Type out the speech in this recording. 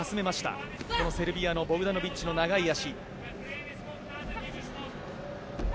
セルビアのボクダノビッチ長い足。